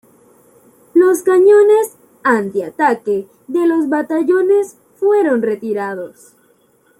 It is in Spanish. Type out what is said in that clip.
Los cañones antitanque de los batallones fueron retirados.